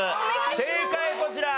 正解こちら。